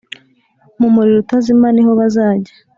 mu muriro utazima niho bazajya